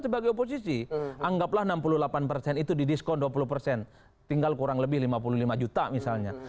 sebagai oposisi anggaplah enam puluh delapan persen itu didiskon dua puluh persen tinggal kurang lebih lima puluh lima juta misalnya